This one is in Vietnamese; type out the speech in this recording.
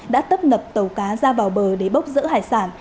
đã tấp nập tàu cá ra vào bờ để bốc rỡ hải sản